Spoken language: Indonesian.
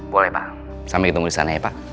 boleh pak sambil ditunggu di sana ya pak